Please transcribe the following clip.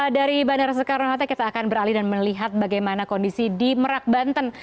dari bandara soekarno hatta kita akan beralih dan melihat bagaimana kondisi di merak banten